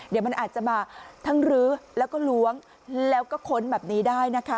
เดี๋ยวมันอาจจะมาทั้งรื้อแล้วก็ล้วงแล้วก็ค้นแบบนี้ได้นะคะ